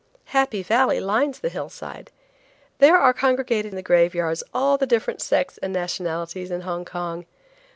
"Happy Valley" lines the hillside. There are congregated the graveyards of all the different sects and nationalities in Hong Kong.